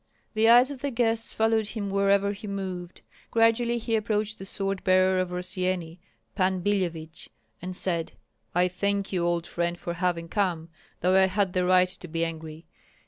The eyes of the guests followed him wherever he moved. Gradually he approached the sword bearer of Rossyeni, Pan Billevich, and said, "I thank you, old friend, for having come, though I had the right to be angry.